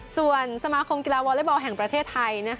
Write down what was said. ส่วนสมาคมกีฬาวอเล็กบอลแห่งประเทศไทย